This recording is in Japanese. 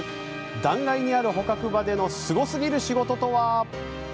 断崖にある捕獲場でのすごすぎる仕事とは？